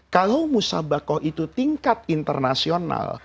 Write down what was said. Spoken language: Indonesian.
kalau musabakoh itu tingkat internasional